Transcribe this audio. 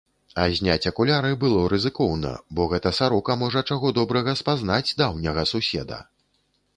А зняць акуляры было рызыкоўна, бо гэта сарока можа, чаго добрага, спазнаць даўняга суседа.